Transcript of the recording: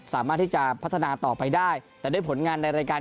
สามารถที่จะพัฒนาต่อไปได้แต่ด้วยผลงานในรายการ